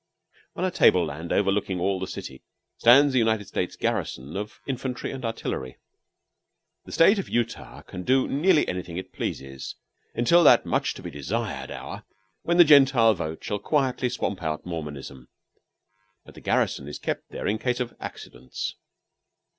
On a table land overlooking all the city stands the United States garrison of infantry and artillery. The State of Utah can do nearly anything it pleases until that much to be desired hour when the Gentile vote shall quietly swamp out Mormonism; but the garrison is kept there in case of accidents.